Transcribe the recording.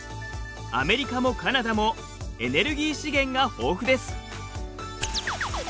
アメリカもカナダもエネルギー資源が豊富です。